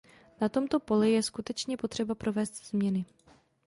Na tomto poli je skutečně potřeba provést změny.